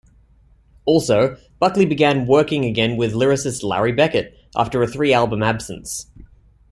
Also, Buckley began working again with lyricist Larry Beckett, after a three-album absence.